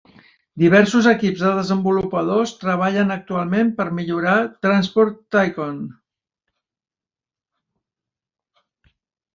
Diversos equips de desenvolupadors treballen actualment per millorar "Transport Tycoon".